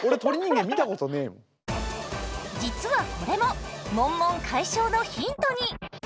実はこれもモンモン解消のヒントに！